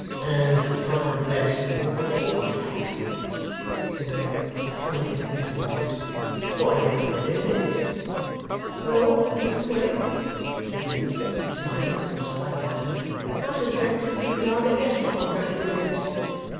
'And I am blest if you ain't getting fat!' said Wegg, with culminating discontent. 'What are you going to do next?' 'Well, Mr Wegg,' said Venus, smiling in a sprightly manner, 'I suspect you could hardly guess what I am going to do next.